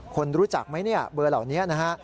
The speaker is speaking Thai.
คนรู้จักไหมเนี่ยเบอร์เหล่านี้นะฮะ